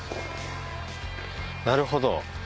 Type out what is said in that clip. なるほど。